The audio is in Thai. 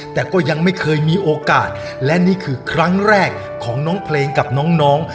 แต่ก็ยังไม่เคยมีโอกาสและนี่คือครั้งแรกของน้องเพลงกับน้อง